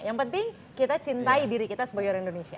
yang penting kita cintai diri kita sebagai orang indonesia